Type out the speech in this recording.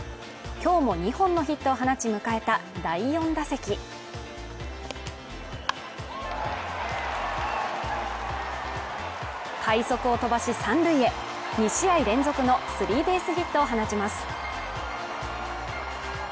今日も２本のヒットを放ち迎えた第４打席快足を飛ばし３塁へ２試合連続のスリーベースヒットを放ちます